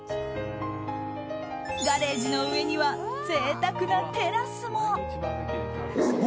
ガレージの上には贅沢なテラスも。